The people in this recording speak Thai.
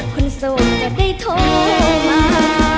คนโสดจะได้โทรมา